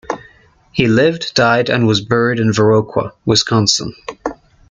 He lived, died and was buried in Viroqua, Wisconsin.